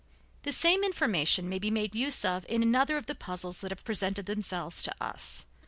The same information may be made use of in another of the puzzles that have presented themselves to us.